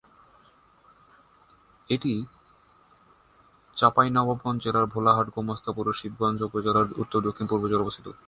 এটি চাঁপাইনবাবগঞ্জ জেলার ভোলাহাট, গোমস্তাপুর ও শিবগঞ্জ উপজেলার উত্তর-দক্ষিণ পূর্ব জুড়ে অবস্থিত।